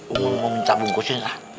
umur mau minta bungkusnya gak